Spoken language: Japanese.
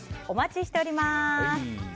お待ちしております。